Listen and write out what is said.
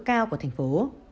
cao của thành phố